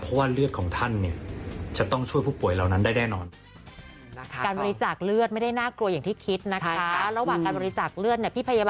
เพราะว่าเลือดของท่านเนี่ย